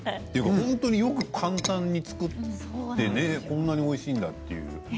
本当によく簡単に作ってこんなにおいしいんだという。